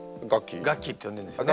ガッキーって呼んでんですよね。